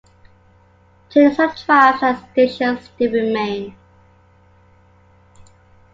Today some tracks and stations still remain.